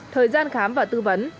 thời gian khám và tư vấn